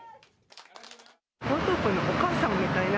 江東区のお母さんみたいな。